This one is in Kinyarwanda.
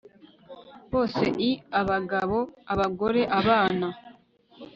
bose l abagabo abagore abana